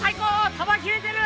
球切れてる！